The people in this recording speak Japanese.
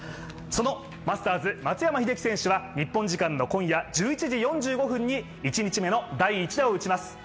そのマスターズ、松山英樹選手は日本時間の今夜１１時４５分に１日目の第１打を打ちます。